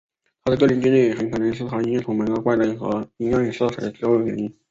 他的个人经历很有可能是他音乐充满了怪诞和阴暗色彩的重要原因。